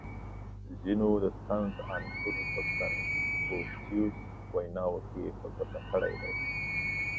• ځینو د طنز عنصر په کنفوسیوس ویناوو کې په ګوته کړی دی.